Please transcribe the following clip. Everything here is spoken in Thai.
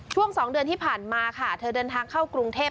ช่วง๒เดือนที่ผ่านมาค่ะเธอเดินทางเข้ากรุงเทพ